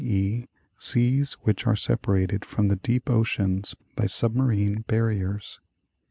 e., seas which are separated from the deep oceans by submarine barriers.